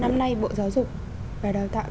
năm nay bộ giáo dục và đào tạo